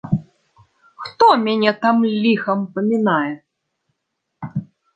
Хто мяне там ліхам памінае?